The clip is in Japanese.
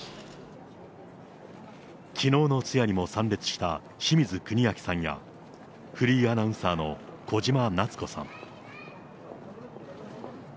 きのうの通夜にも参列した清水国明さんや、フリーアナウンサーの小島奈津子さん。